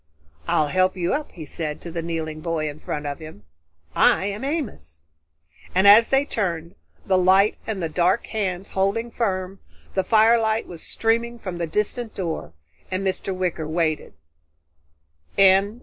"I'll help you up," he said to the kneeling boy in front of him. "I am Amos." And as they turned, the light and the dark hands holding firm, the firelight was streaming from the distant door and Mr. Wicker waited.